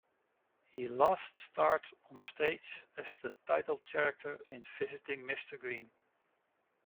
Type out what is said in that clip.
He last starred on stage as the title character in "Visiting Mr. Green".